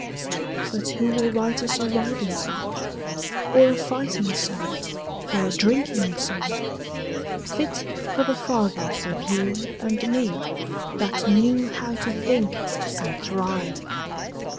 But who will write us a riding song Or a fighting song or a drinking song, Fit for the fathers of you and me, That knew how to think and thrive?